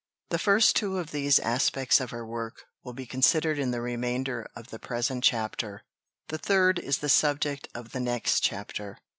The first two of these aspects of her work will be considered in the remainder of the present chapter; the third is the subject of the next chapter.